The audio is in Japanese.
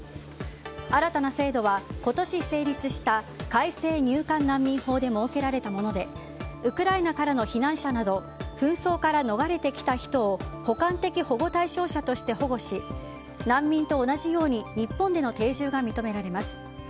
新たな制度は今年成立した改正入管難民法で設けられたものでウクライナからの避難者など紛争から逃れてきた人を補完的保護対象者として保護し難民と同じように日本での定住が認められます。